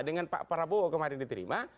dengan pak prabowo kemarin diterima